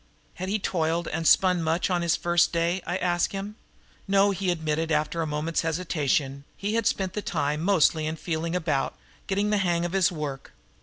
Had he toiled and spun much on his first day, I asked him. No, he admitted after a moment's hesitation, he had spent the time mostly in feeling about, getting the hang of his work.